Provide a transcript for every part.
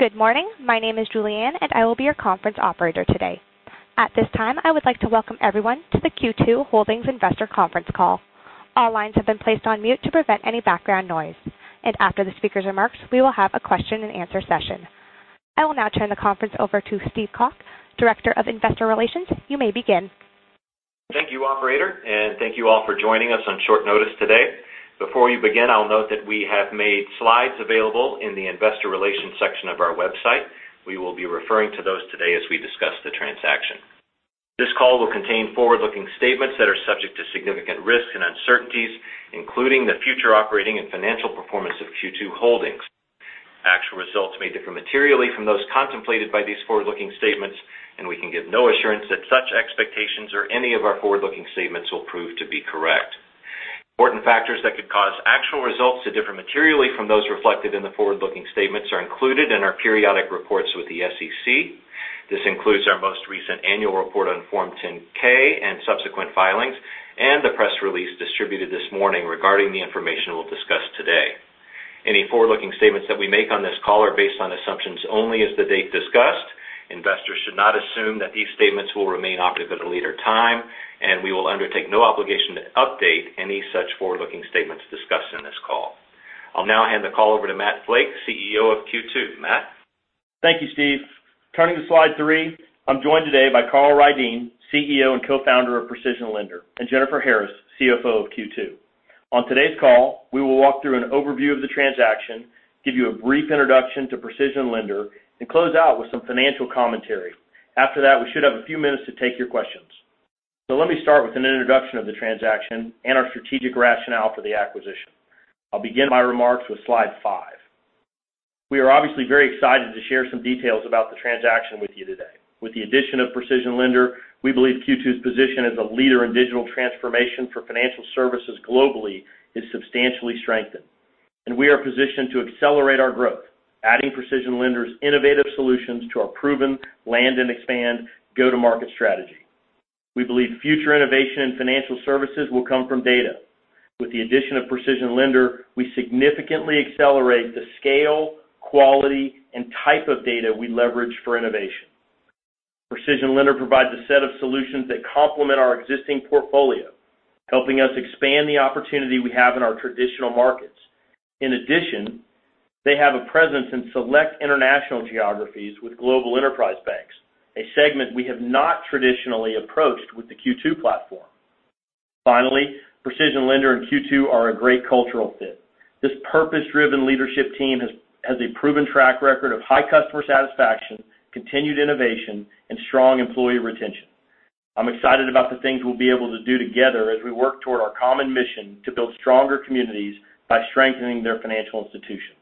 Good morning. My name is Julianne, and I will be your conference operator today. At this time, I would like to welcome everyone to the Q2 Holdings Investor Conference Call. All lines have been placed on mute to prevent any background noise. After the speaker's remarks, we will have a question and answer session. I will now turn the conference over to Steve Koch, Director of Investor Relations. You may begin. Thank you, operator, and thank you all for joining us on short notice today. Before you begin, I'll note that we have made slides available in the investor relations section of our website. We will be referring to those today as we discuss the transaction. This call will contain forward-looking statements that are subject to significant risks and uncertainties, including the future operating and financial performance of Q2 Holdings. Actual results may differ materially from those contemplated by these forward-looking statements, and we can give no assurance that such expectations or any of our forward-looking statements will prove to be correct. Important factors that could cause actual results to differ materially from those reflected in the forward-looking statements are included in our periodic reports with the SEC. This includes our most recent annual report on Form 10-K and subsequent filings, and the press release distributed this morning regarding the information we'll discuss today. Any forward-looking statements that we make on this call are based on assumptions only as the date discussed. Investors should not assume that these statements will remain operative at a later time, and we will undertake no obligation to update any such forward-looking statements discussed in this call. I'll now hand the call over to Matt Flake, CEO of Q2. Matt? Thank you, Steve. Turning to slide three. I'm joined today by Carl Ryden, CEO and co-founder of PrecisionLender, and Jennifer Harris, CFO of Q2. On today's call, we will walk through an overview of the transaction, give you a brief introduction to PrecisionLender, and close out with some financial commentary. After that, we should have a few minutes to take your questions. Let me start with an introduction of the transaction and our strategic rationale for the acquisition. I'll begin my remarks with slide five. We are obviously very excited to share some details about the transaction with you today. With the addition of PrecisionLender, we believe Q2's position as a leader in digital transformation for financial services globally is substantially strengthened, and we are positioned to accelerate our growth, adding PrecisionLender's innovative solutions to our proven land-and-expand go-to-market strategy. We believe future innovation in financial services will come from data. With the addition of PrecisionLender, we significantly accelerate the scale, quality, and type of data we leverage for innovation. PrecisionLender provides a set of solutions that complement our existing portfolio, helping us expand the opportunity we have in our traditional markets. In addition, they have a presence in select international geographies with global enterprise banks, a segment we have not traditionally approached with the Q2 platform. Finally, PrecisionLender and Q2 are a great cultural fit. This purpose-driven leadership team has a proven track record of high customer satisfaction, continued innovation, and strong employee retention. I'm excited about the things we'll be able to do together as we work toward our common mission to build stronger communities by strengthening their financial institutions.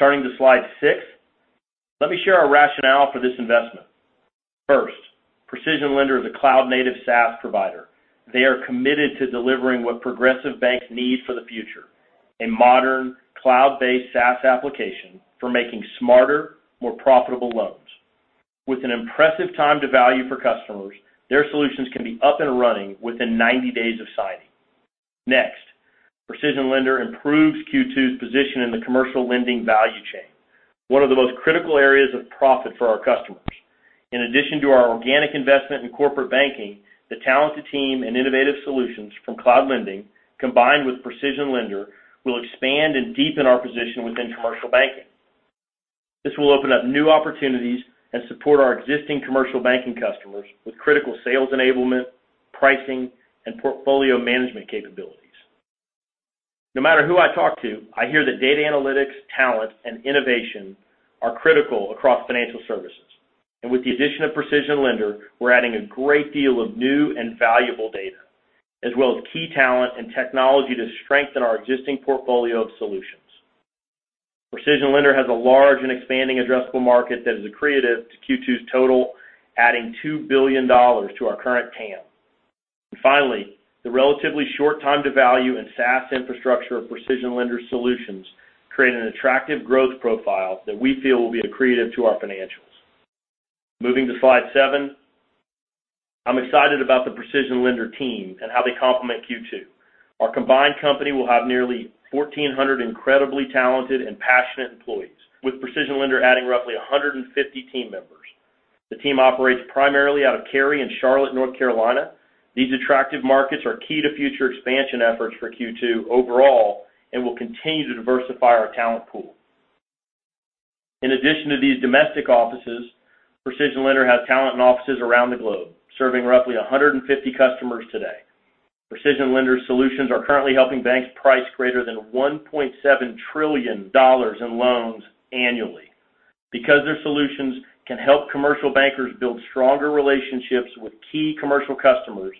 Turning to slide six, let me share our rationale for this investment. First, PrecisionLender is a cloud-native SaaS provider. They are committed to delivering what progressive banks need for the future, a modern cloud-based SaaS application for making smarter, more profitable loans. With an impressive time to value for customers, their solutions can be up and running within 90 days of signing. Next, PrecisionLender improves Q2's position in the commercial lending value chain, one of the most critical areas of profit for our customers. In addition to our organic investment in corporate banking, the talented team and innovative solutions from Cloud Lending, combined with PrecisionLender, will expand and deepen our position within commercial banking. This will open up new opportunities and support our existing commercial banking customers with critical sales enablement, pricing, and portfolio management capabilities. No matter who I talk to, I hear that data analytics, talent, and innovation are critical across financial services. With the addition of PrecisionLender, we're adding a great deal of new and valuable data, as well as key talent and technology to strengthen our existing portfolio of solutions. PrecisionLender has a large and expanding addressable market that is accretive to Q2's total, adding $2 billion to our current TAM. Finally, the relatively short time to value and SaaS infrastructure of PrecisionLender's solutions create an attractive growth profile that we feel will be accretive to our financials. Moving to slide seven, I'm excited about the PrecisionLender team and how they complement Q2. Our combined company will have nearly 1,400 incredibly talented and passionate employees, with PrecisionLender adding roughly 150 team members. The team operates primarily out of Cary and Charlotte, North Carolina. These attractive markets are key to future expansion efforts for Q2 overall and will continue to diversify our talent pool. In addition to these domestic offices, PrecisionLender has talent and offices around the globe, serving roughly 150 customers today. PrecisionLender solutions are currently helping banks price greater than $1.7 trillion in loans annually. Because their solutions can help commercial bankers build stronger relationships with key commercial customers,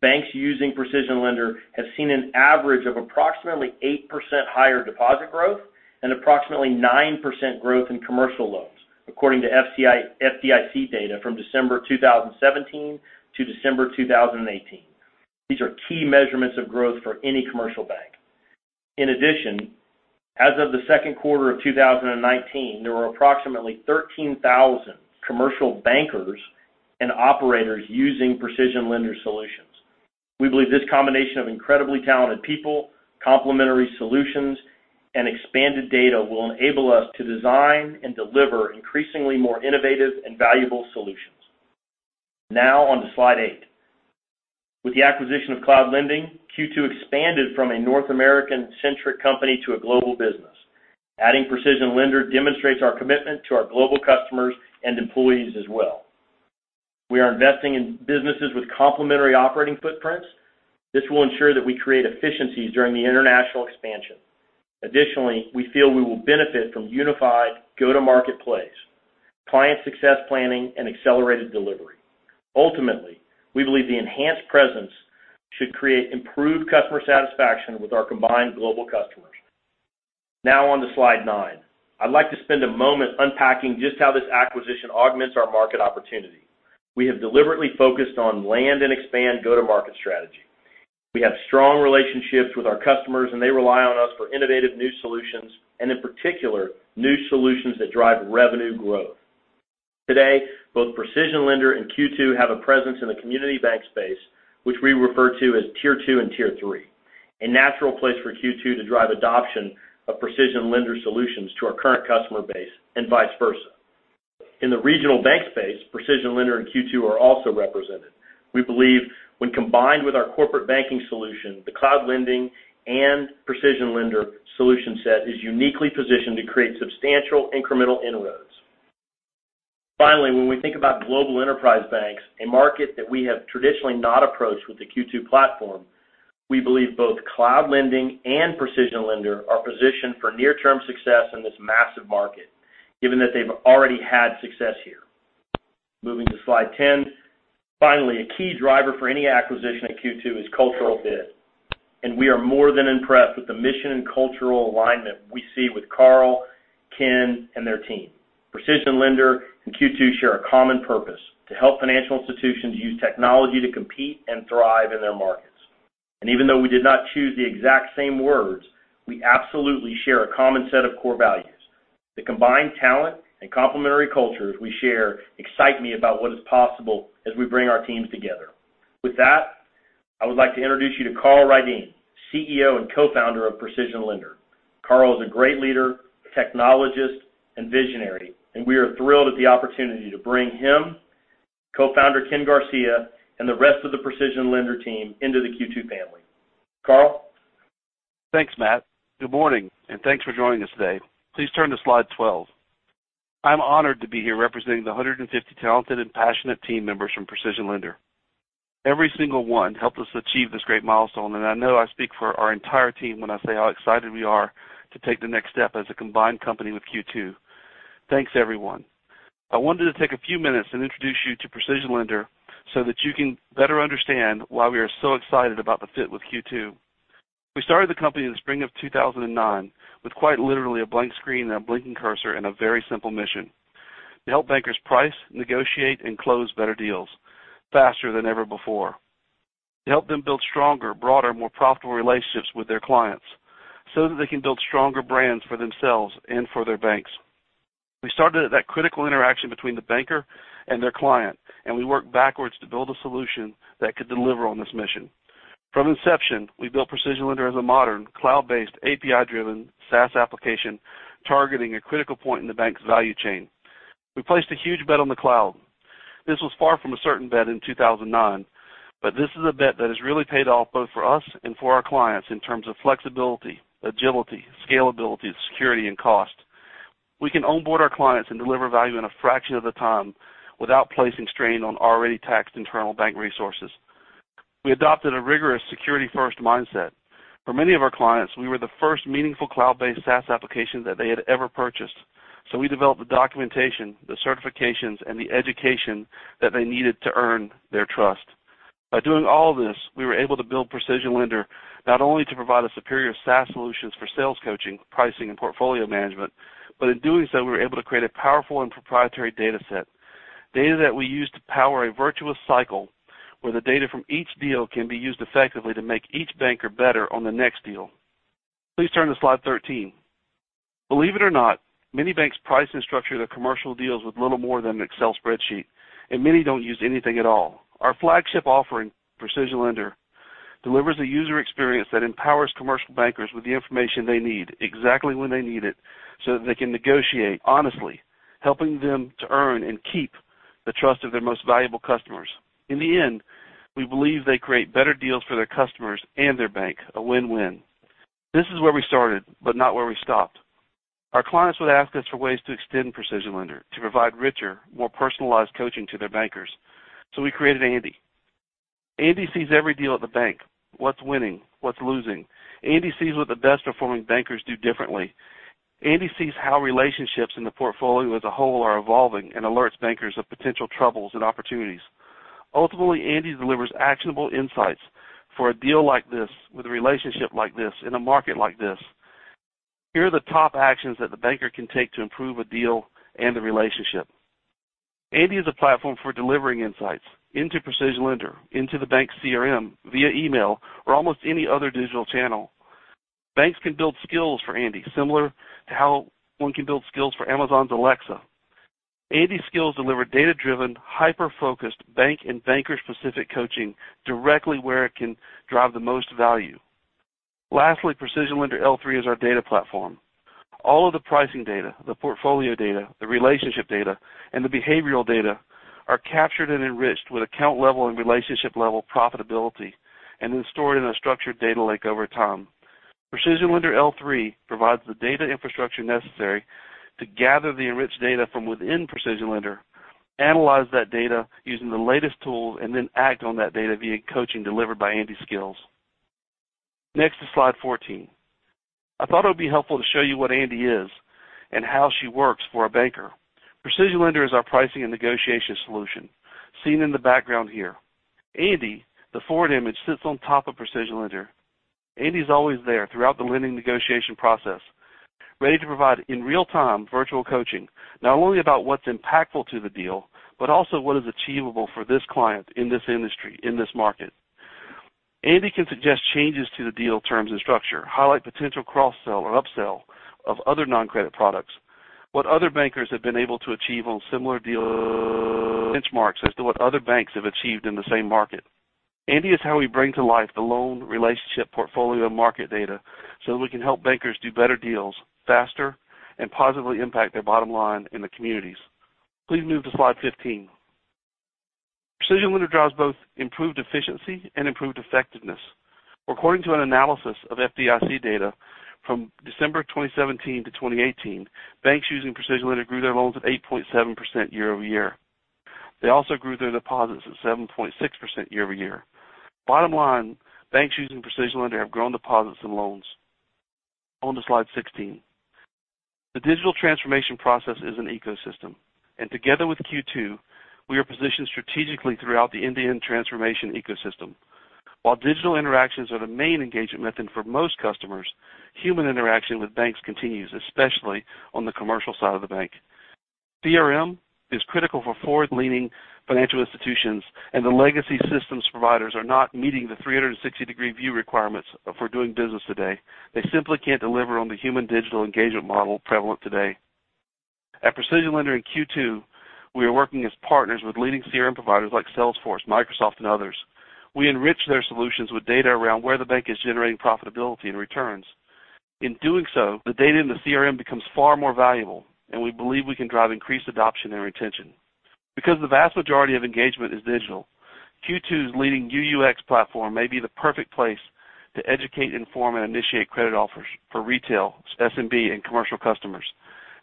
banks using PrecisionLender have seen an average of approximately 8% higher deposit growth and approximately 9% growth in commercial loans, according to FDIC data from December 2017 to December 2018. These are key measurements of growth for any commercial bank. In addition, as of the second quarter of 2019, there were approximately 13,000 commercial bankers and operators using PrecisionLender solutions. We believe this combination of incredibly talented people, complementary solutions, and expanded data will enable us to design and deliver increasingly more innovative and valuable solutions. Now on to slide eight. With the acquisition of Cloud Lending, Q2 expanded from a North American-centric company to a global business. Adding PrecisionLender demonstrates our commitment to our global customers and employees as well. We are investing in businesses with complementary operating footprints. This will ensure that we create efficiencies during the international expansion. We feel we will benefit from unified go-to-market plays, client success planning, and accelerated delivery. We believe the enhanced presence should create improved customer satisfaction with our combined global customers. On to slide nine. I'd like to spend a moment unpacking just how this acquisition augments our market opportunity. We have deliberately focused on land and expand go-to-market strategy. We have strong relationships with our customers, and they rely on us for innovative new solutions and, in particular, new solutions that drive revenue growth. Today, both PrecisionLender and Q2 have a presence in the community bank space, which we refer to as tier 2 and tier 3, a natural place for Q2 to drive adoption of PrecisionLender solutions to our current customer base and vice versa. In the regional bank space, PrecisionLender and Q2 are also represented. We believe when combined with our corporate banking solution, the Cloud Lending and PrecisionLender solution set is uniquely positioned to create substantial incremental inroads. Finally, when we think about global enterprise banks, a market that we have traditionally not approached with the Q2 platform, we believe both Cloud Lending and PrecisionLender are positioned for near-term success in this massive market, given that they've already had success here. Moving to slide 10. Finally, a key driver for any acquisition at Q2 is cultural fit, and we are more than impressed with the mission and cultural alignment we see with Carl, Ken, and their team. PrecisionLender and Q2 share a common purpose, to help financial institutions use technology to compete and thrive in their markets. Even though we did not choose the exact same words, we absolutely share a common set of core values. The combined talent and complementary cultures we share excite me about what is possible as we bring our teams together. With that, I would like to introduce you to Carl Ryden, CEO and co-founder of PrecisionLender. Carl is a great leader, technologist, and visionary, and we are thrilled at the opportunity to bring him, co-founder Ken Garcia, and the rest of the PrecisionLender team into the Q2 family. Carl? Thanks, Matt. Good morning, and thanks for joining us today. Please turn to slide 12. I'm honored to be here representing the 150 talented and passionate team members from PrecisionLender. Every single one helped us achieve this great milestone, and I know I speak for our entire team when I say how excited we are to take the next step as a combined company with Q2. Thanks, everyone. I wanted to take a few minutes and introduce you to PrecisionLender so that you can better understand why we are so excited about the fit with Q2. We started the company in the spring of 2009 with quite literally a blank screen and a blinking cursor and a very simple mission, to help bankers price, negotiate, and close better deals faster than ever before, to help them build stronger, broader, more profitable relationships with their clients so that they can build stronger brands for themselves and for their banks. We started at that critical interaction between the banker and their client. We worked backwards to build a solution that could deliver on this mission. From inception, we built PrecisionLender as a modern, cloud-based, API-driven SaaS application targeting a critical point in the bank's value chain. We placed a huge bet on the cloud. This was far from a certain bet in 2009, but this is a bet that has really paid off both for us and for our clients in terms of flexibility, agility, scalability, security, and cost. We can onboard our clients and deliver value in a fraction of the time without placing strain on already taxed internal bank resources. We adopted a rigorous security-first mindset. For many of our clients, we were the first meaningful cloud-based SaaS application that they had ever purchased. We developed the documentation, the certifications, and the education that they needed to earn their trust. By doing all this, we were able to build PrecisionLender not only to provide a superior SaaS solution for sales coaching, pricing, and portfolio management, but in doing so, we were able to create a powerful and proprietary data set, data that we use to power a virtuous cycle where the data from each deal can be used effectively to make each banker better on the next deal. Please turn to slide 13. Believe it or not, many banks price and structure their commercial deals with little more than an Excel spreadsheet, and many don't use anything at all. Our flagship offering, PrecisionLender, delivers a user experience that empowers commercial bankers with the information they need exactly when they need it so that they can negotiate honestly, helping them to earn and keep the trust of their most valuable customers. In the end, we believe they create better deals for their customers and their bank, a win-win. This is where we started, but not where we stopped. Our clients would ask us for ways to extend PrecisionLender to provide richer, more personalized coaching to their bankers. We created Andi. Andi sees every deal at the bank, what's winning, what's losing. Andi sees what the best-performing bankers do differently. Andi sees how relationships in the portfolio as a whole are evolving and alerts bankers of potential troubles and opportunities. Ultimately, Andi delivers actionable insights for a deal like this with a relationship like this in a market like this. Here are the top actions that the banker can take to improve a deal and the relationship. Andi is a platform for delivering insights into PrecisionLender, into the bank's CRM via email or almost any other digital channel. Banks can build skills for Andi, similar to how one can build skills for Amazon's Alexa. Andi Skills deliver data-driven, hyper-focused bank and banker-specific coaching directly where it can drive the most value. Lastly, PrecisionLender L3 is our data platform. All of the pricing data, the portfolio data, the relationship data, and the behavioral data are captured and enriched with account-level and relationship-level profitability, and then stored in a structured data lake over time. PrecisionLender L3 provides the data infrastructure necessary to gather the enriched data from within PrecisionLender, analyze that data using the latest tools, and then act on that data via coaching delivered by Andi Skills. Next is slide 14. I thought it would be helpful to show you what Andi is and how she works for a banker. PrecisionLender is our pricing and negotiation solution, seen in the background here. Andi, the forward image, sits on top of PrecisionLender. Andi's always there throughout the lending negotiation process, ready to provide, in real-time, virtual coaching, not only about what's impactful to the deal, but also what is achievable for this client in this industry, in this market. Andi can suggest changes to the deal terms and structure, highlight potential cross-sell or up-sell of other non-credit products, what other bankers have been able to achieve on similar deals, benchmarks as to what other banks have achieved in the same market. Andi is how we bring to life the loan relationship portfolio market data so that we can help bankers do better deals faster and positively impact their bottom line in the communities. Please move to slide 15. PrecisionLender drives both improved efficiency and improved effectiveness. According to an analysis of FDIC data from December 2017 to 2018, banks using PrecisionLender grew their loans at 8.7% year-over-year. They also grew their deposits at 7.6% year-over-year. Bottom line, banks using PrecisionLender have grown deposits and loans. On to slide 16. The digital transformation process is an ecosystem, and together with Q2, we are positioned strategically throughout the end-to-end transformation ecosystem. While digital interactions are the main engagement method for most customers, human interaction with banks continues, especially on the commercial side of the bank. CRM is critical for forward-leaning financial institutions, and the legacy systems providers are not meeting the 360-degree view requirements for doing business today. They simply can't deliver on the human digital engagement model prevalent today. At PrecisionLender and Q2, we are working as partners with leading CRM providers like Salesforce, Microsoft, and others. We enrich their solutions with data around where the bank is generating profitability and returns. In doing so, the data in the CRM becomes far more valuable, and we believe we can drive increased adoption and retention. Because the vast majority of engagement is digital, Q2's leading UUX platform may be the perfect place to educate, inform, and initiate credit offers for retail, SMB, and commercial customers.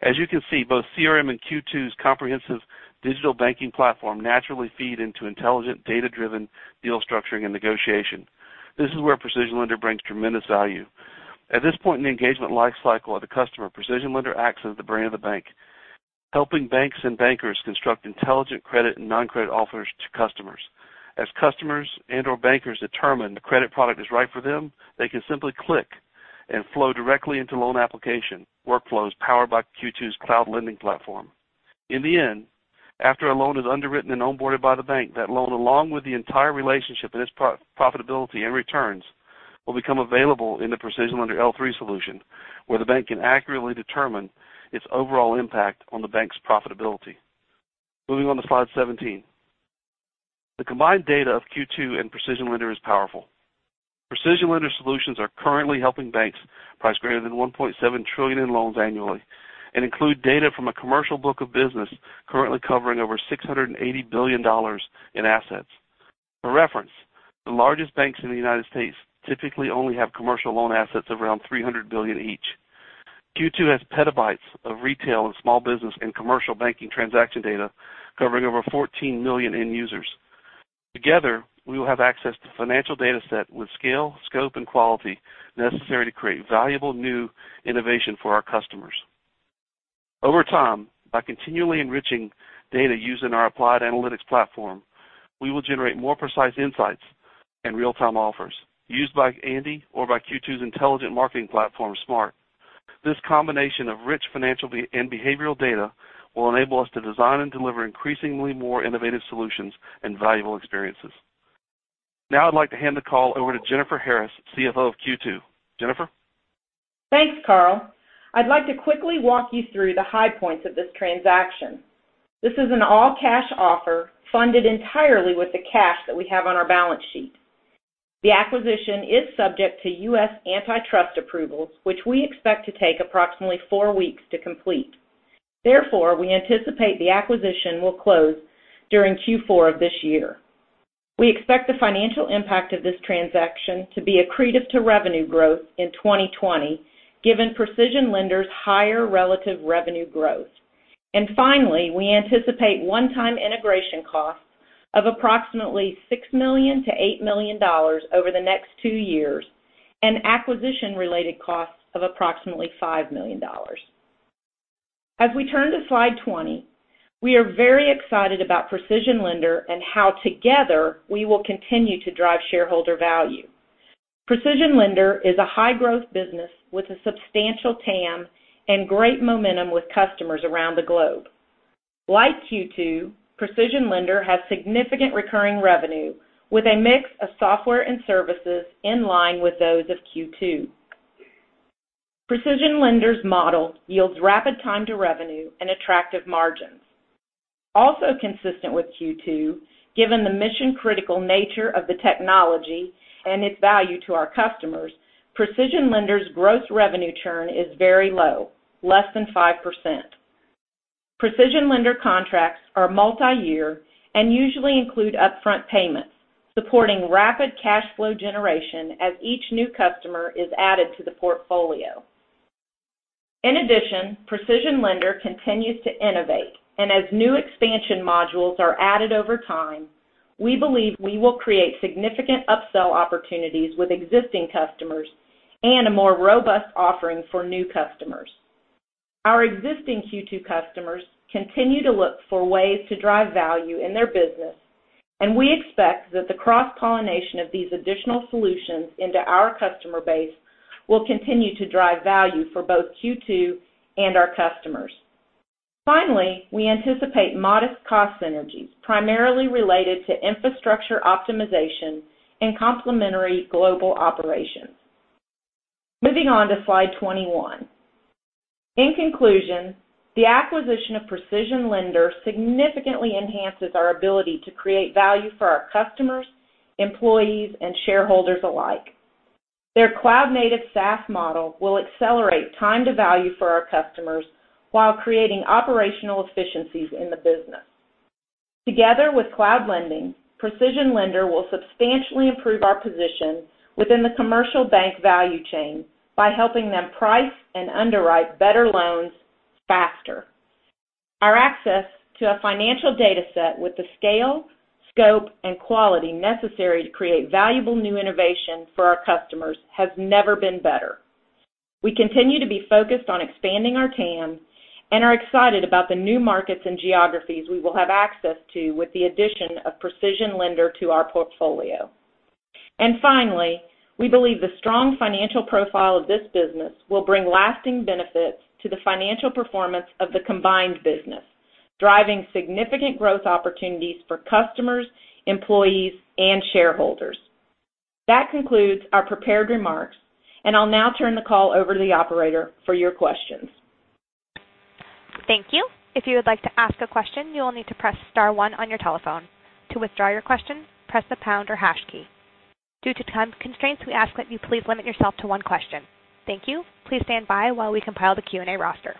As you can see, both CRM and Q2's comprehensive digital banking platform naturally feed into intelligent, data-driven deal structuring and negotiation. This is where PrecisionLender brings tremendous value. At this point in the engagement lifecycle of the customer, PrecisionLender acts as the brain of the bank, helping banks and bankers construct intelligent credit and non-credit offers to customers. As customers and/or bankers determine the credit product is right for them, they can simply click and flow directly into loan application workflows powered by Q2's Cloud Lending platform. In the end, after a loan is underwritten and onboarded by the bank, that loan, along with the entire relationship and its profitability and returns, will become available in the PrecisionLender L3 solution, where the bank can accurately determine its overall impact on the bank's profitability. Moving on to slide 17. The combined data of Q2 and PrecisionLender is powerful. PrecisionLender solutions are currently helping banks price greater than $1.7 trillion in loans annually and include data from a commercial book of business currently covering over $680 billion in assets. For reference, the largest banks in the U.S. typically only have commercial loan assets of around $300 billion each. Q2 has petabytes of retail and small business and commercial banking transaction data covering over 14 million end users. Together, we will have access to financial dataset with scale, scope, and quality necessary to create valuable new innovation for our customers. Over time, by continually enriching data used in our applied analytics platform, we will generate more precise insights and real-time offers used by Andi or by Q2's intelligent marketing platform, Q2 SMART. This combination of rich financial and behavioral data will enable us to design and deliver increasingly more innovative solutions and valuable experiences. Now I'd like to hand the call over to Jennifer Harris, CFO of Q2. Jennifer? Thanks, Carl. I'd like to quickly walk you through the high points of this transaction. This is an all-cash offer funded entirely with the cash that we have on our balance sheet. The acquisition is subject to U.S. antitrust approvals, which we expect to take approximately four weeks to complete. Therefore, we anticipate the acquisition will close during Q4 of this year. We expect the financial impact of this transaction to be accretive to revenue growth in 2020, given PrecisionLender's higher relative revenue growth. Finally, we anticipate one-time integration costs of approximately $6 million-$8 million over the next two years and acquisition-related costs of approximately $5 million. As we turn to slide 20, we are very excited about PrecisionLender and how together we will continue to drive shareholder value. PrecisionLender is a high-growth business with a substantial TAM and great momentum with customers around the globe. Like Q2, PrecisionLender has significant recurring revenue with a mix of software and services in line with those of Q2. PrecisionLender's model yields rapid time to revenue and attractive margins. Also consistent with Q2, given the mission-critical nature of the technology and its value to our customers, PrecisionLender's gross revenue churn is very low, less than 5%. PrecisionLender contracts are multi-year and usually include upfront payments, supporting rapid cash flow generation as each new customer is added to the portfolio. In addition, PrecisionLender continues to innovate. As new expansion modules are added over time, we believe we will create significant upsell opportunities with existing customers and a more robust offering for new customers. Our existing Q2 customers continue to look for ways to drive value in their business, and we expect that the cross-pollination of these additional solutions into our customer base will continue to drive value for both Q2 and our customers. Finally, we anticipate modest cost synergies, primarily related to infrastructure optimization and complementary global operations. Moving on to slide 21. In conclusion, the acquisition of PrecisionLender significantly enhances our ability to create value for our customers, employees, and shareholders alike. Their cloud-native SaaS model will accelerate time to value for our customers while creating operational efficiencies in the business. Together with cloud lending, PrecisionLender will substantially improve our position within the commercial bank value chain by helping them price and underwrite better loans faster. Our access to a financial data set with the scale, scope, and quality necessary to create valuable new innovation for our customers has never been better. We continue to be focused on expanding our TAM and are excited about the new markets and geographies we will have access to with the addition of PrecisionLender to our portfolio. Finally, we believe the strong financial profile of this business will bring lasting benefits to the financial performance of the combined business, driving significant growth opportunities for customers, employees, and shareholders. That concludes our prepared remarks, and I'll now turn the call over to the operator for your questions. Thank you. If you would like to ask a question, you will need to press star 1 on your telephone. To withdraw your question, press the pound or hash key. Due to time constraints, we ask that you please limit yourself to one question. Thank you. Please stand by while we compile the Q&A roster.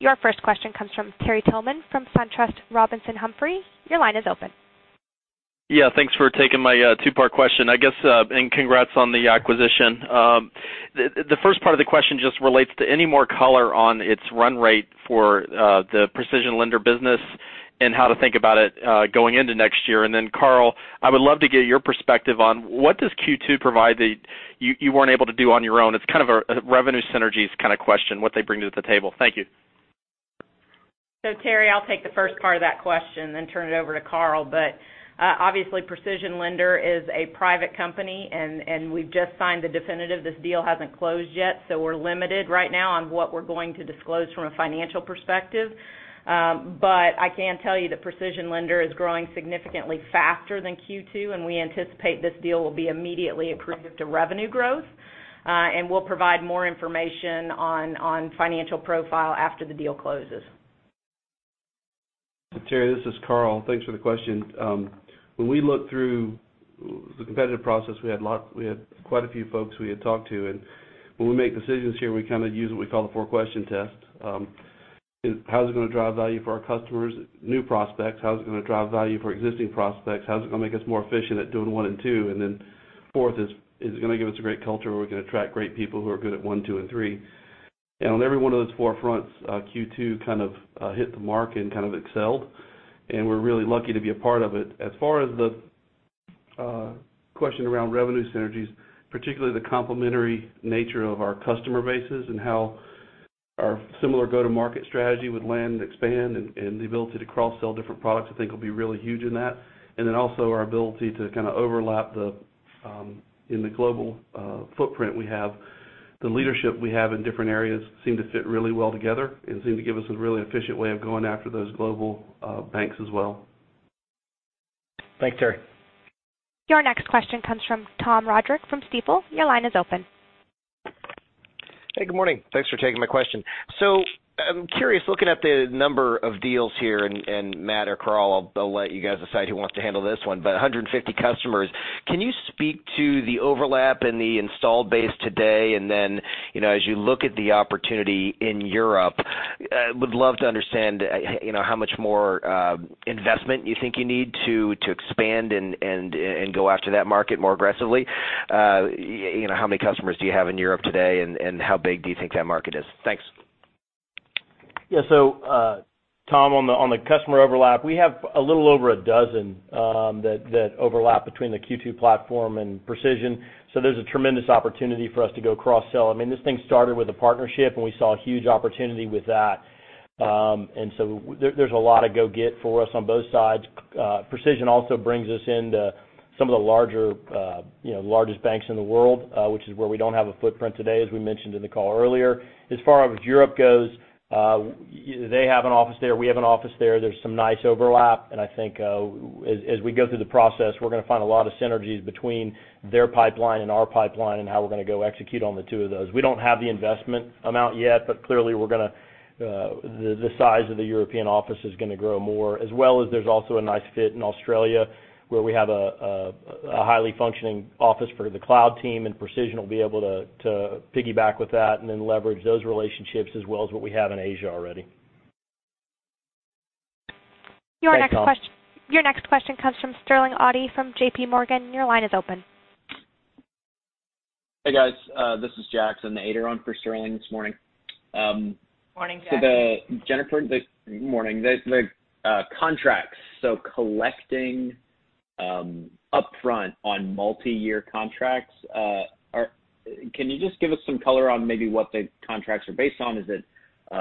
Your first question comes from Terry Tillman from SunTrust Robinson Humphrey. Your line is open. Yeah, thanks for taking my 2-part question, I guess, and congrats on the acquisition. The first part of the question just relates to any more color on its run rate for the PrecisionLender business and how to think about it going into next year. Carl, I would love to get your perspective on what does Q2 provide that you weren't able to do on your own? It's kind of a revenue synergies kind of question, what they bring to the table. Thank you. Terry, I'll take the first part of that question, then turn it over to Carl. Obviously, PrecisionLender is a private company, and we've just signed the definitive. This deal hasn't closed yet, so we're limited right now on what we're going to disclose from a financial perspective. I can tell you that PrecisionLender is growing significantly faster than Q2, and we anticipate this deal will be immediately accretive to revenue growth. We'll provide more information on financial profile after the deal closes. Terry, this is Carl. Thanks for the question. When we look through the competitive process, we had quite a few folks we had talked to. When we make decisions here, we kind of use what we call the four question test. How is it going to drive value for our customers, new prospects? How is it going to drive value for existing prospects? How is it going to make us more efficient at doing one and two? Then fourth is it going to give us a great culture where we can attract great people who are good at one, two, and three? On every one of those four fronts, Q2 kind of hit the mark and kind of excelled, and we're really lucky to be a part of it. As far as the question around revenue synergies, particularly the complementary nature of our customer bases and how our similar go-to-market strategy with land and expand and the ability to cross-sell different products, I think will be really huge in that. Then also our ability to kind of overlap in the global footprint we have. The leadership we have in different areas seem to fit really well together and seem to give us a really efficient way of going after those global banks as well. Thanks, Terry. Your next question comes from Tom Roderick from Stifel. Your line is open. Hey, good morning. Thanks for taking my question. I'm curious, looking at the number of deals here, and Matt or Carl, I'll let you guys decide who wants to handle this one. 150 customers. Can you speak to the overlap in the installed base today? Then, as you look at the opportunity in Europe, would love to understand how much more investment you think you need to expand and go after that market more aggressively. How many customers do you have in Europe today, and how big do you think that market is? Thanks. Yeah. Tom, on the customer overlap, we have a little over a dozen that overlap between the Q2 platform and Precision. There's a tremendous opportunity for us to go cross-sell. This thing started with a partnership, and we saw a huge opportunity with that. There's a lot of go get for us on both sides. Precision also brings us into Some of the largest banks in the world, which is where we don't have a footprint today, as we mentioned in the call earlier. Far as Europe goes, they have an office there, we have an office there. There's some nice overlap, and I think as we go through the process, we're going to find a lot of synergies between their pipeline and our pipeline and how we're going to go execute on the two of those. We don't have the investment amount yet, but clearly the size of the European office is going to grow more. Well as there's also a nice fit in Australia, where we have a highly functioning office for the cloud team, and Precision will be able to piggyback with that and then leverage those relationships as well as what we have in Asia already. Thanks, all. Your next question comes from Sterling Auty from JPMorgan. Your line is open. Hey, guys. This is Jackson, the aide on for Sterling this morning. Morning, Jack. Jennifer, good morning. The contracts, so collecting upfront on multi-year contracts, can you just give us some color on maybe what the contracts are based on? Is it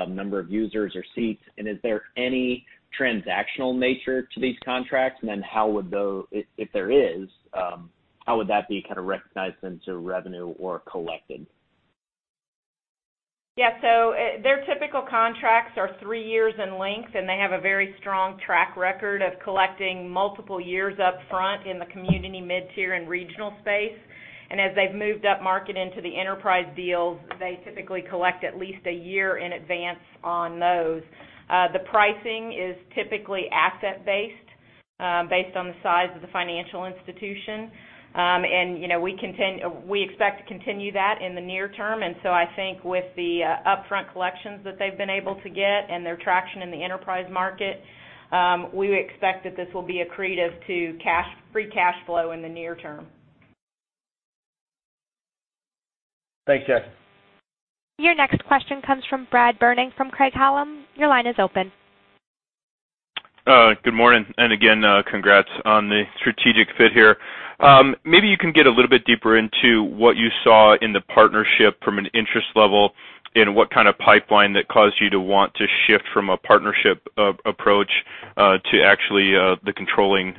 number of users or seats? Is there any transactional nature to these contracts? If there is, how would that be recognized then to revenue or collected? Yeah. Their typical contracts are three years in length, and they have a very strong track record of collecting multiple years up front in the community mid-tier and regional space. As they've moved up market into the enterprise deals, they typically collect at least a year in advance on those. The pricing is typically asset-based, based on the size of the financial institution. We expect to continue that in the near term. I think with the upfront collections that they've been able to get and their traction in the enterprise market, we would expect that this will be accretive to free cash flow in the near term. Thanks, Jack. Your next question comes from Brad Berning from Craig-Hallum. Your line is open. Good morning, and again, congrats on the strategic fit here. Maybe you can get a little bit deeper into what you saw in the partnership from an interest level and what kind of pipeline that caused you to want to shift from a partnership approach to actually the controlling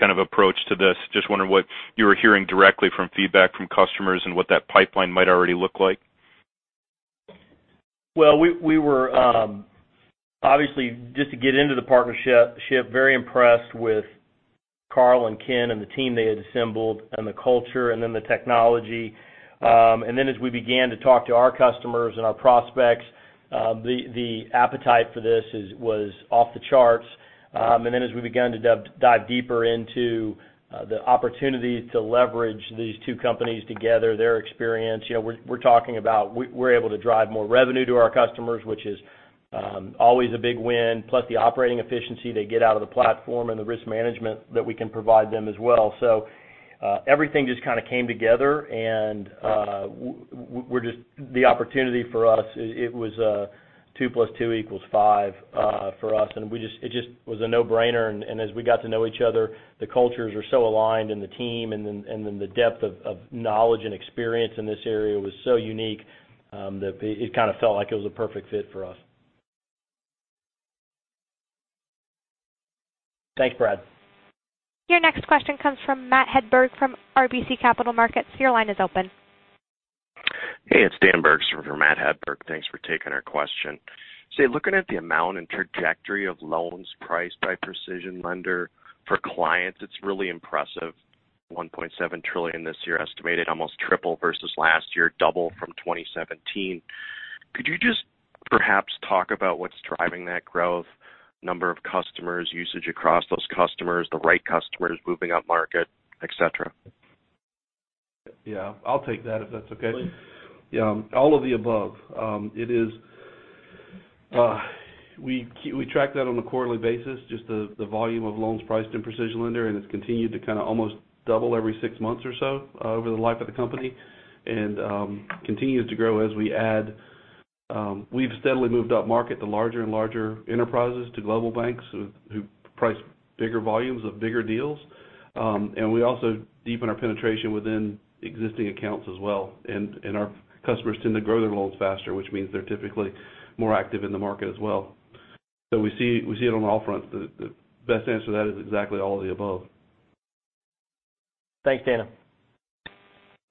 kind of approach to this? Just wondering what you were hearing directly from feedback from customers and what that pipeline might already look like? We were, obviously, just to get into the partnership, very impressed with Carl and Ken and the team they had assembled, and the culture and the technology. As we began to talk to our customers and our prospects, the appetite for this was off the charts. As we began to dive deeper into the opportunity to leverage these two companies together, their experience, we're talking about we're able to drive more revenue to our customers, which is always a big win, plus the operating efficiency they get out of the platform and the risk management that we can provide them as well. Everything just kind of came together, and the opportunity for us, it was two plus two equals five for us, and it just was a no-brainer. As we got to know each other, the cultures were so aligned, and the team, and then the depth of knowledge and experience in this area was so unique, that it kind of felt like it was a perfect fit for us. Thanks, Brad. Your next question comes from Matthew Hedberg from RBC Capital Markets. Your line is open. Hey, it's Dan Bergstrom for Matt Hedberg. Thanks for taking our question. Looking at the amount and trajectory of loans priced by PrecisionLender for clients, it's really impressive, $1.7 trillion this year estimated, almost triple versus last year, double from 2017. Could you just perhaps talk about what's driving that growth, number of customers, usage across those customers, the right customers moving up market, et cetera? Yeah. I'll take that if that's okay. Please. Yeah. All of the above. We track that on a quarterly basis, just the volume of loans priced in PrecisionLender, and it's continued to kind of almost double every six months or so over the life of the company, and continues to grow as we add. We've steadily moved up market to larger and larger enterprises, to global banks who price bigger volumes of bigger deals. We also deepen our penetration within existing accounts as well. Our customers tend to grow their loans faster, which means they're typically more active in the market as well. We see it on all fronts. The best answer to that is exactly all of the above. Thanks, Dan.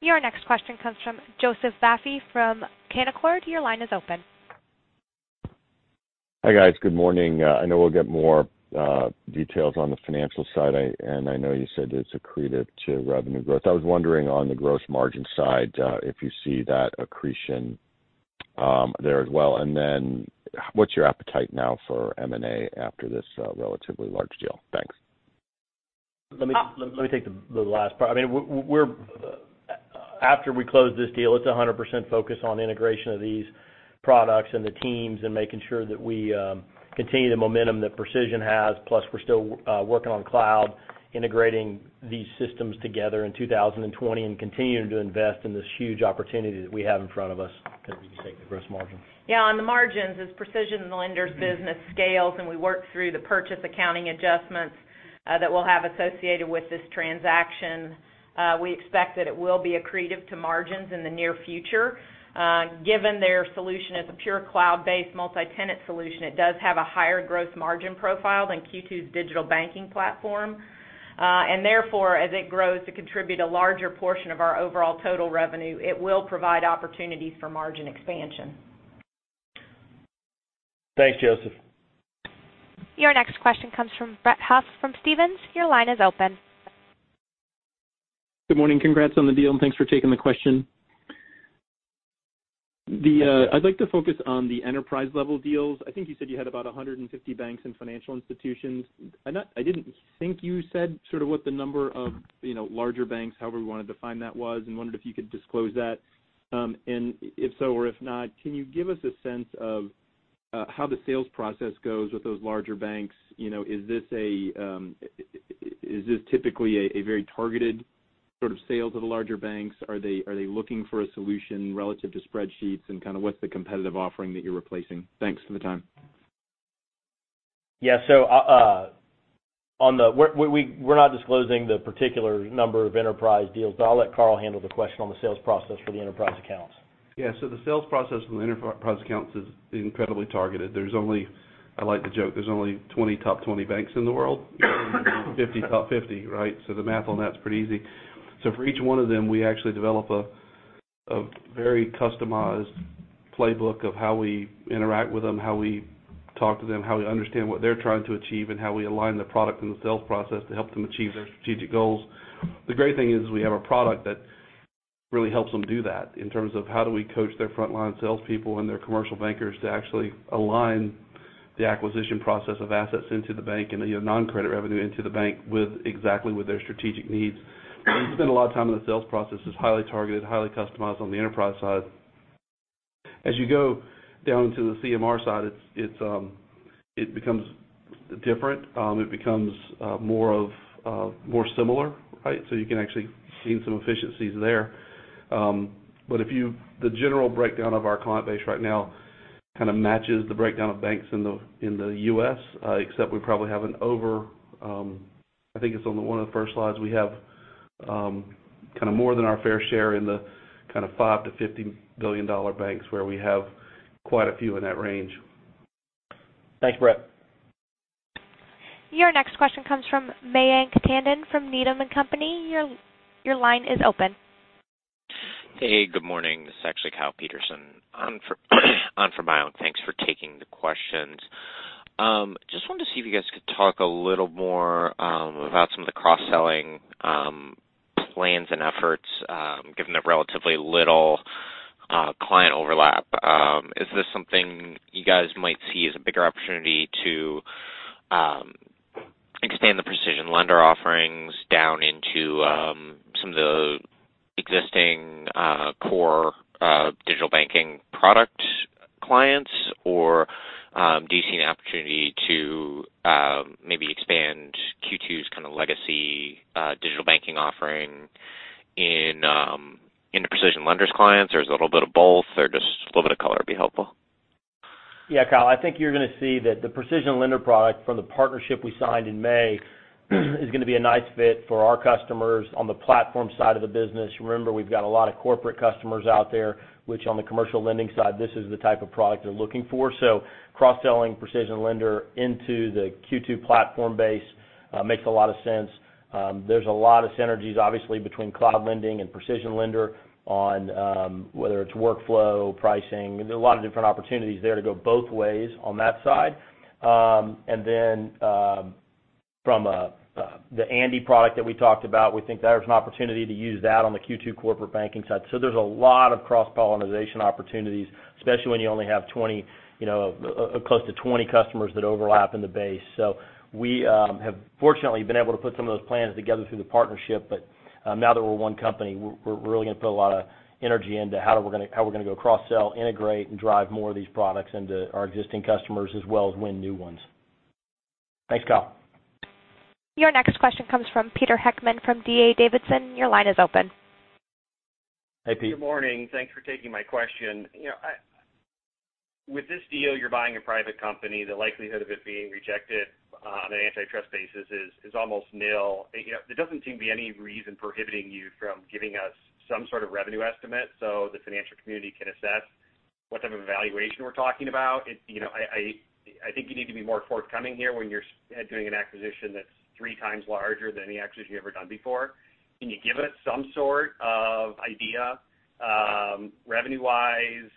Your next question comes from Joseph Vafi from Canaccord. Your line is open. Hi, guys. Good morning. I know we'll get more details on the financial side, and I know you said it's accretive to revenue growth. I was wondering on the gross margin side, if you see that accretion there as well. What's your appetite now for M&A after this relatively large deal? Thanks. Let me take the last part. After we close this deal, it's 100% focus on integration of these products and the teams and making sure that we continue the momentum that Precision has. We're still working on cloud, integrating these systems together in 2020 and continuing to invest in this huge opportunity that we have in front of us. You can take the gross margin. Yeah. On the margins, as PrecisionLender's business scales and we work through the purchase accounting adjustments that we'll have associated with this transaction. We expect that it will be accretive to margins in the near future. Given their solution as a pure cloud-based multi-tenant solution, it does have a higher gross margin profile than Q2's digital banking platform. Therefore, as it grows to contribute a larger portion of our overall total revenue, it will provide opportunities for margin expansion. Thanks, Joseph. Your next question comes from Brett Huff from Stephens. Your line is open. Good morning. Congrats on the deal, and thanks for taking the question. Thanks, Brett. I'd like to focus on the enterprise-level deals. I think you said you had about 150 banks and financial institutions. I didn't think you said what the number of larger banks, however we want to define that was, and wondered if you could disclose that. If so or if not, can you give us a sense of how the sales process goes with those larger banks? Is this typically a very targeted sort of sale to the larger banks? Are they looking for a solution relative to spreadsheets, and what's the competitive offering that you're replacing? Thanks for the time. Yeah. We're not disclosing the particular number of enterprise deals, but I'll let Carl handle the question on the sales process for the enterprise accounts. Yeah. The sales process for the enterprise accounts is incredibly targeted. I like the joke, there's only 20 top 20 banks in the world, 50 top 50, right? The math on that's pretty easy. For each one of them, we actually develop a very customized playbook of how we interact with them, how we talk to them, how we understand what they're trying to achieve, and how we align the product and the sales process to help them achieve their strategic goals. The great thing is we have a product that really helps them do that in terms of how do we coach their frontline salespeople and their commercial bankers to actually align the acquisition process of assets into the bank and the non-credit revenue into the bank with exactly what their strategic needs. We spend a lot of time in the sales process. It's highly targeted, highly customized on the enterprise side. As you go down to the CMR side, it becomes different. It becomes more similar, right? You can actually gain some efficiencies there. The general breakdown of our client base right now kind of matches the breakdown of banks in the U.S., except we probably have, I think it's on one of the first slides. We have more than our fair share in the kind of $5 billion-$50 billion banks, where we have quite a few in that range. Thanks, Brett. Your next question comes from Mayank Tandon from Needham & Company. Your line is open. Hey, good morning. This is actually Kyle Peterson on for Mayank. Thanks for taking the questions. Just wanted to see if you guys could talk a little more about some of the cross-selling plans and efforts, given the relatively little client overlap. Is this something you guys might see as a bigger opportunity to expand the PrecisionLender offerings down into some of the existing core digital banking product clients, or do you see an opportunity to maybe expand Q2's kind of legacy digital banking offering into PrecisionLender's clients, or is it a little bit of both? Just a little bit of color would be helpful. Yeah, Kyle. I think you're going to see that the PrecisionLender product from the partnership we signed in May is going to be a nice fit for our customers on the platform side of the business. Remember, we've got a lot of corporate customers out there, which on the commercial lending side, this is the type of product they're looking for. Cross-selling PrecisionLender into the Q2 platform base makes a lot of sense. There's a lot of synergies, obviously, between Cloud Lending and PrecisionLender on whether it's workflow, pricing. There's a lot of different opportunities there to go both ways on that side. From the Andi product that we talked about, we think there's an opportunity to use that on the Q2 corporate banking side. There's a lot of cross-pollination opportunities, especially when you only have close to 20 customers that overlap in the base. We have fortunately been able to put some of those plans together through the partnership. Now that we're one company, we're really going to put a lot of energy into how we're going to go cross-sell, integrate, and drive more of these products into our existing customers as well as win new ones. Thanks, Kyle. Your next question comes from Peter Heckmann from D.A. Davidson. Your line is open. Hey, Pete. Good morning. Thanks for taking my question. With this deal, you're buying a private company. The likelihood of it being rejected on an antitrust basis is almost nil. There doesn't seem to be any reason prohibiting you from giving us some sort of revenue estimate so the financial community can assess what type of valuation we're talking about. I think you need to be more forthcoming here when you're doing an acquisition that's three times larger than any acquisition you've ever done before. Can you give us some sort of idea revenue-wise,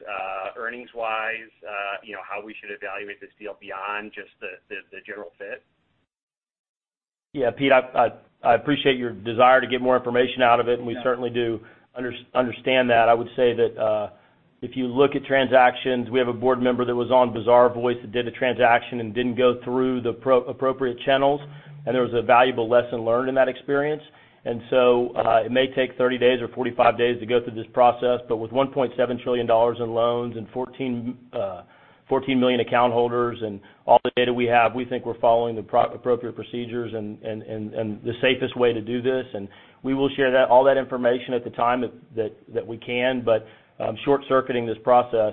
earnings-wise, how we should evaluate this deal beyond just the general fit? Yeah, Pete, I appreciate your desire to get more information out of it, and we certainly do understand that. I would say that if you look at transactions, we have a board member that was on Bazaarvoice that did a transaction and didn't go through the appropriate channels, and there was a valuable lesson learned in that experience. It may take 30 days or 45 days to go through this process. With $1.7 trillion in loans and 14 million account holders and all the data we have, we think we're following the appropriate procedures and the safest way to do this. We will share all that information at the time that we can. Short-circuiting this process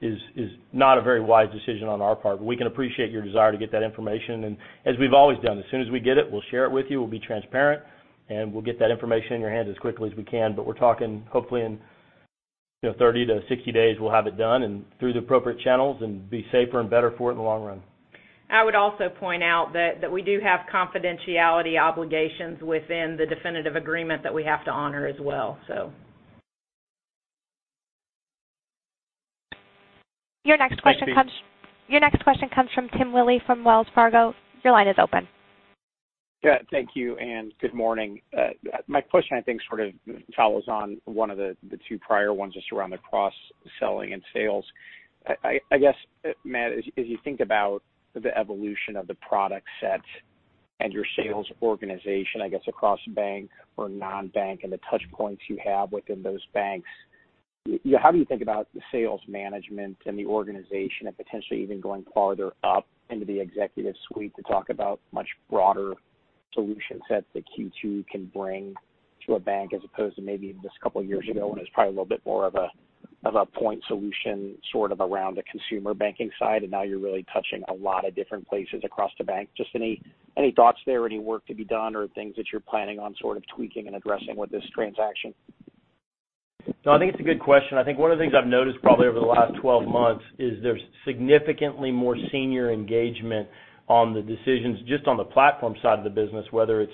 is not a very wise decision on our part. We can appreciate your desire to get that information. As we've always done, as soon as we get it, we'll share it with you. We'll be transparent, and we'll get that information in your hands as quickly as we can. We're talking hopefully in 30-60 days, we'll have it done and through the appropriate channels and be safer and better for it in the long run. I would also point out that we do have confidentiality obligations within the definitive agreement that we have to honor as well. Your next question. I see. Your next question comes from Timothy Willi from Wells Fargo. Your line is open. Yeah, thank you, and good morning. My question, I think, sort of follows on one of the two prior ones just around the cross-selling and sales. I guess, Matt, as you think about the evolution of the product set and your sales organization, I guess, across bank or non-bank and the touch points you have within those banks, how do you think about the sales management and the organization and potentially even going farther up into the executive suite to talk about much broader solution sets that Q2 can bring to a bank as opposed to maybe just a couple of years ago when it was probably a little bit more of a point solution sort of around the consumer banking side, and now you're really touching a lot of different places across the bank? Just any thoughts there, any work to be done or things that you're planning on sort of tweaking and addressing with this transaction? No, I think it's a good question. I think one of the things I've noticed probably over the last 12 months is there's significantly more senior engagement on the decisions just on the platform side of the business, whether it's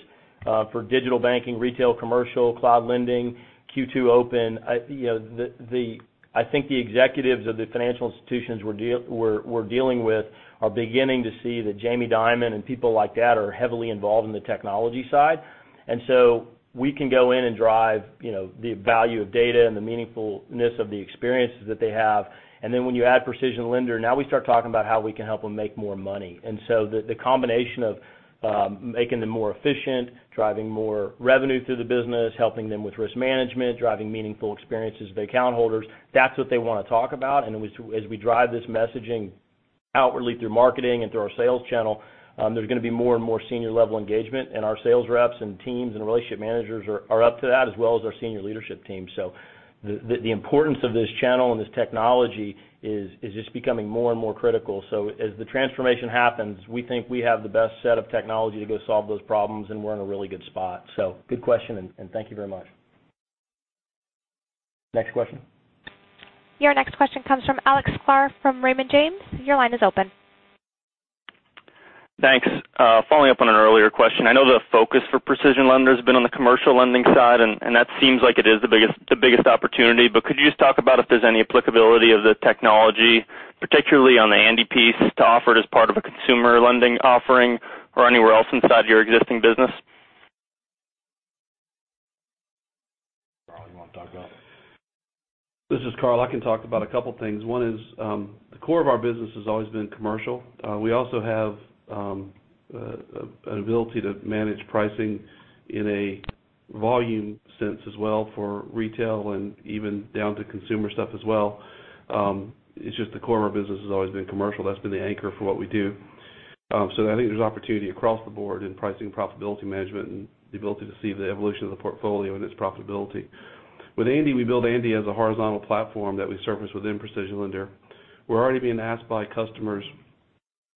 for digital banking, retail, commercial, Cloud Lending, Q2 Open. I think the executives of the financial institutions we're dealing with are beginning to see that Jamie Dimon and people like that are heavily involved in the technology side. We can go in and drive the value of data and the meaningfulness of the experiences that they have. When you add PrecisionLender, now we start talking about how we can help them make more money. The combination of making them more efficient, driving more revenue through the business, helping them with risk management, driving meaningful experiences with account holders, that's what they want to talk about. As we drive this messaging outwardly through marketing and through our sales channel, there's going to be more and more senior-level engagement. Our sales reps and teams and relationship managers are up to that as well as our senior leadership team. The importance of this channel and this technology is just becoming more and more critical. As the transformation happens, we think we have the best set of technology to go solve those problems, and we're in a really good spot. Good question, and thank you very much. Next question. Your next question comes from Alex Clark from Raymond James. Your line is open. Thanks. Following up on an earlier question, I know the focus for PrecisionLender has been on the commercial lending side, and that seems like it is the biggest opportunity. Could you just talk about if there's any applicability of the technology, particularly on the Andi piece, to offer it as part of a consumer lending offering or anywhere else inside your existing business? Carl, you want to talk about it? This is Carl. I can talk about a couple things. One is, the core of our business has always been commercial. We also have an ability to manage pricing in a volume sense as well for retail and even down to consumer stuff as well. It's just the core of our business has always been commercial. That's been the anchor for what we do. I think there's opportunity across the board in pricing profitability management and the ability to see the evolution of the portfolio and its profitability. With Andi, we build Andi as a horizontal platform that we surface within PrecisionLender. We're already being asked by customers.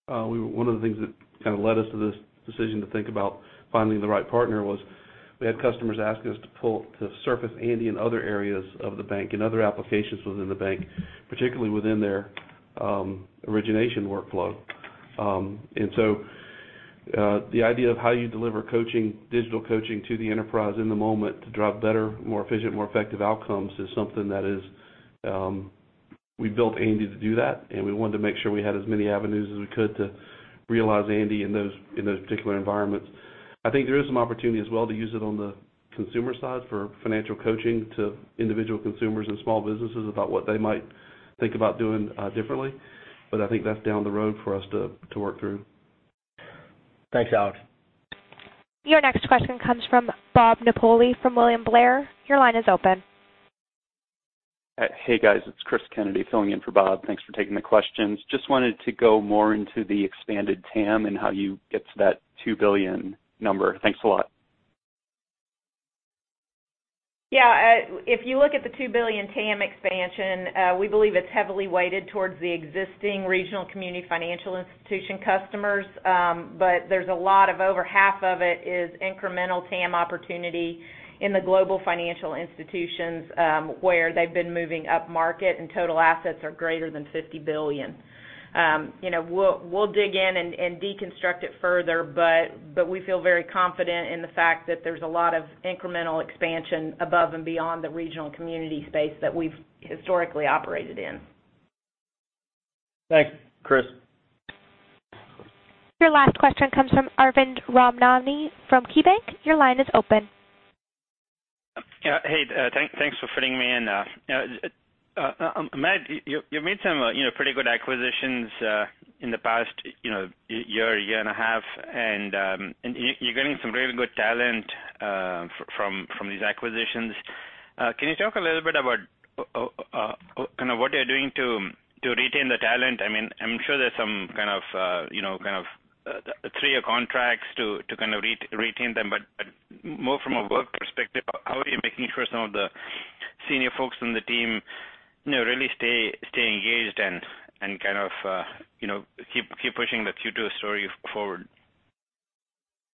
One of the things that kind of led us to this decision to think about finding the right partner was we had customers asking us to surface Andi in other areas of the bank, in other applications within the bank, particularly within their origination workflow. The idea of how you deliver digital coaching to the enterprise in the moment to drive better, more efficient, more effective outcomes is something that We built Andi to do that, and we wanted to make sure we had as many avenues as we could to realize Andi in those particular environments. I think there is some opportunity as well to use it on the consumer side for financial coaching to individual consumers and small businesses about what they might think about doing differently. I think that's down the road for us to work through. Thanks, Alex. Your next question comes from Bob Napoli from William Blair. Your line is open. Hey, guys. It's Cris Kennedy filling in for Bob. Thanks for taking the questions. Just wanted to go more into the expanded TAM and how you get to that $2 billion number. Thanks a lot. Yeah. If you look at the $2 billion TAM expansion, we believe it's heavily weighted towards the existing regional community financial institution customers. There's a lot of over half of it is incremental TAM opportunity in the global financial institutions, where they've been moving upmarket and total assets are greater than $50 billion. We'll dig in and deconstruct it further, we feel very confident in the fact that there's a lot of incremental expansion above and beyond the regional community space that we've historically operated in. Thanks, Chris. Your last question comes from Arvind Ramnani from KeyBanc. Your line is open. Hey, thanks for fitting me in. Matt, you've made some pretty good acquisitions in the past year and a half, and you're getting some really good talent from these acquisitions. Can you talk a little bit about kind of what you're doing to retain the talent? I'm sure there's some kind of three-year contracts to kind of retain them. More from a work perspective, how are you making sure some of the senior folks on the team really stay engaged and kind of keep pushing the Q2 story forward?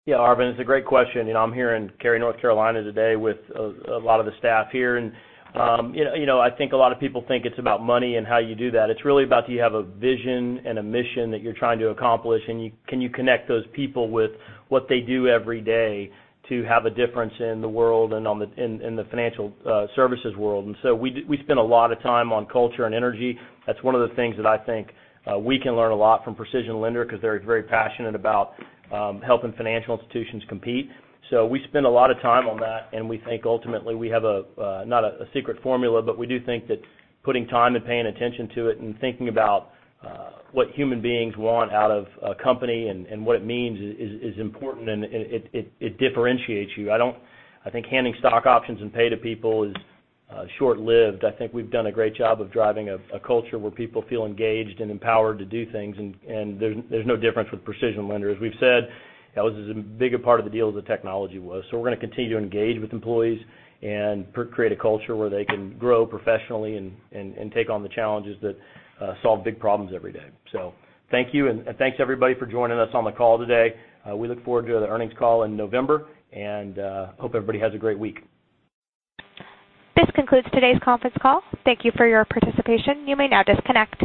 Yeah, Arvind, it's a great question. I'm here in Cary, North Carolina, today with a lot of the staff here, and I think a lot of people think it's about money and how you do that. It's really about do you have a vision and a mission that you're trying to accomplish, and can you connect those people with what they do every day to have a difference in the world and in the financial services world? We spend a lot of time on culture and energy. That's one of the things that I think we can learn a lot from PrecisionLender because they're very passionate about helping financial institutions compete. We spend a lot of time on that, and we think ultimately we have, not a secret formula, but we do think that putting time and paying attention to it and thinking about what human beings want out of a company and what it means is important, and it differentiates you. I think handing stock options and pay to people is short-lived. I think we've done a great job of driving a culture where people feel engaged and empowered to do things, and there's no difference with PrecisionLender. As we've said, that was as big a part of the deal as the technology was. We're going to continue to engage with employees and create a culture where they can grow professionally and take on the challenges that solve big problems every day. Thank you, and thanks, everybody, for joining us on the call today. We look forward to the earnings call in November, and hope everybody has a great week. This concludes today's conference call. Thank you for your participation. You may now disconnect.